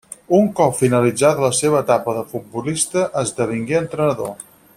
Un cop finalitzada la seva etapa de futbolista esdevingué entrenador.